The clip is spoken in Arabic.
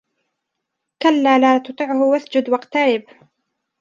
كَلّا لا تُطِعهُ وَاسجُد وَاقتَرِب